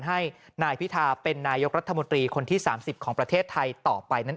ให้นายพิธาเป็นนายกรัฐมนตรีคนที่๓๐ของประเทศไทยต่อไปนั้น